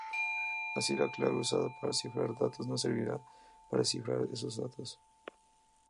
Así, la clave usada para cifrar datos no servirá para descifrar esos datos.